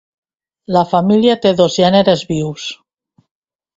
La família té dos gèneres vius.